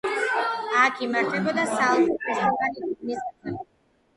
აქ იმართებოდა საოლქო ფესტივალი „დონის გაზაფხული“.